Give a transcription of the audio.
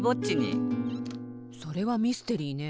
それはミステリーね。